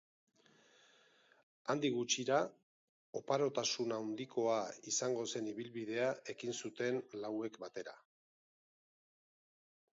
Handik gutxira oparotasun handikoa izango zen ibilbidea ekin zuten lauek batera.